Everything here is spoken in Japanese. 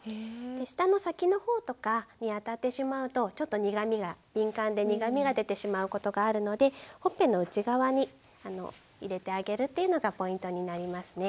舌の先の方とかに当たってしまうとちょっと苦みが敏感で苦みが出てしまうことがあるのでほっぺの内側に入れてあげるというのがポイントになりますね。